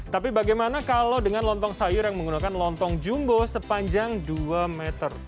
tapi bagaimana kalau dengan lontong sayur yang menggunakan lontong jumbo sepanjang dua meter